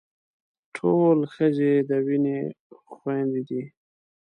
ټولې ښځې د وينې خويندې دي.